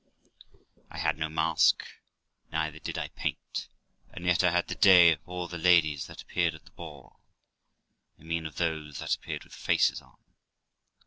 I had no mask, neither did I paint, and yet I had the day of all the ladies that appeared at the ball, I mean of those that appeared with faces on.